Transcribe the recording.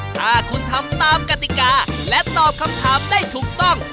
ถ้าคุณทำตามกติกาและตอบคำถามได้ถูกต้อง